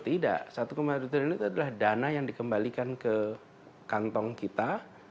tidak satu satu triliun itu adalah dana yang dikembalikan ke kantong kita